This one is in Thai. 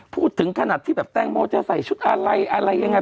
พูดถึงขนาดที่แบบแตงโมจะใส่ชุดอะไรอะไรยังไง